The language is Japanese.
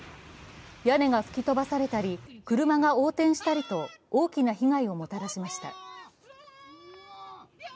屋根が吹き飛ばされたり、車が横転したりと大きな被害をもたらしました。